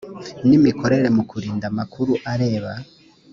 n imikorere mu kurinda amakuru areba